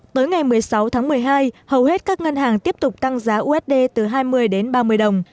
tới ngày một mươi sáu tháng một mươi hai hầu hết các ngân hàng tiếp tục tăng giá usd từ hai mươi đến ba mươi đồng